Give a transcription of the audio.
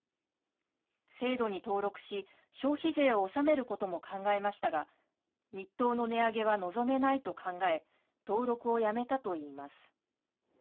制度に登録し、消費税を納めることも考えましたが、日当の値上げは望めないと考え、登録をやめたといいます。